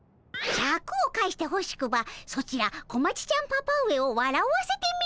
シャクを返してほしくばソチら小町ちゃんパパ上をわらわせてみよ。